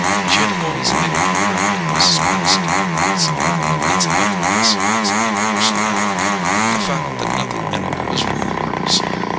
She had always hated her room at Mrs. Peniston's—its ugliness, its impersonality, the fact that nothing in it was really hers.